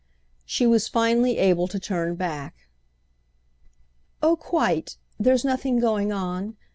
She was finally able to turn back. "Oh quite. There's nothing going on.